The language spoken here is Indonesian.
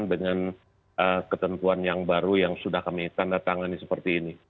dengan ketentuan yang baru yang sudah kami tanda tangani seperti ini